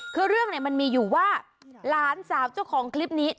คือเรื่องเนี่ยมันมีอยู่ว่าหลานสาวเจ้าของคลิปนี้